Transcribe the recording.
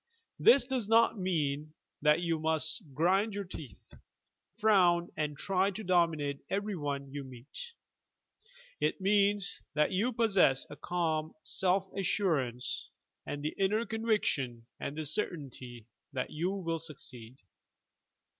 This does not mean that you must grind your teeth, frown and try to dominate every one you meet. It means that you possesa a calm self assurance and the inner conviction and certainty that you will succeed.